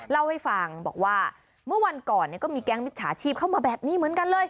เล่าให้ฟังบอกว่าเมื่อวันก่อนก็มีแก๊งมิจฉาชีพเข้ามาแบบนี้เหมือนกันเลย